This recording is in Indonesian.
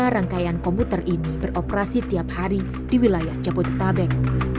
tujuh puluh lima rangkaian komuter ini beroperasi tiap hari di wilayah jabodetabek